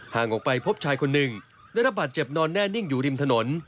ออกไปพบชายคนหนึ่งได้รับบาดเจ็บนอนแน่นิ่งอยู่ริมถนน